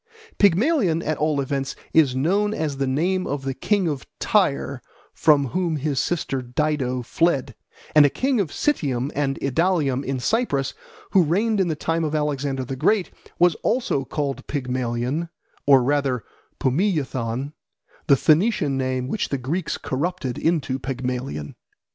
Pygmalion, at all events, is known as the name of the king of Tyre from whom his sister Dido fled; and a king of Citium and Idalium in Cyprus, who reigned in the time of Alexander the Great, was also called Pygmalion, or rather Pumiyathon, the Phoenician name which the Greeks corrupted into Pygmalion.